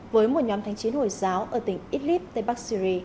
với một nhóm thành chiến hồi giáo ở tỉnh idlib tây bắc